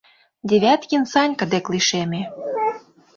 — Девяткин Санька дек лишеме.